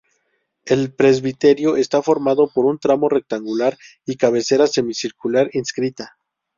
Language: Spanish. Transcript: El presbiterio está formado por un tramo rectangular y cabecera semicircular inscrita.